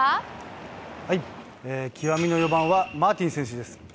極みの４番は、マーティン選手です。